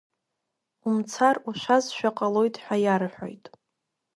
Умцар ушәазшәа ҟалоит ҳәа иарҳәоит.